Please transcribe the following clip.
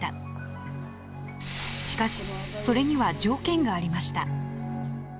しかしそれには条件がありました。